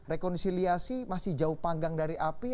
rekonsiliasi masih jauh panggang dari api